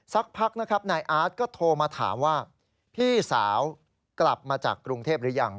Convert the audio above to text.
สักพักนะครับนายอาร์ตก็โทรมาถามว่าพี่สาวกลับมาจากกรุงเทพหรือยัง